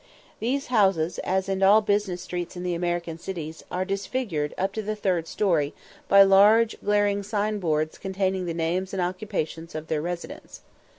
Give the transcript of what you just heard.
These houses, as in all business streets in the American cities, are disfigured, up to the third story, by large glaring sign boards containing the names and occupations of their residents.